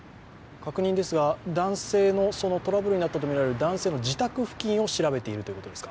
確認ですが、トラブルになったとみられる男性の自宅付近を調べているということですか。